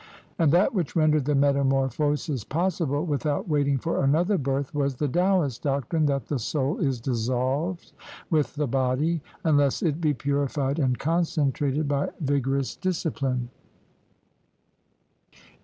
And that which rendered the metamor phosis possible, without waiting for another birth, was the Taoist doctrine that the soul is dissolved with the body, unless it be purified and concentrated by vigorous discipline.